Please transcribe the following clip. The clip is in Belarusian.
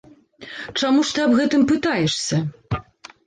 Чаму ж ты аб гэтым пытаешся?